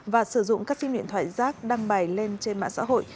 và sử dụng các sim điện thoại rác đăng bài lên trên mạng xã hội